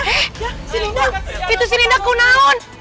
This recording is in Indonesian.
eh si ninda itu si ninda kunaon